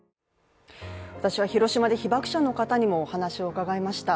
私は広島で被ばく者の方にもお話を伺いました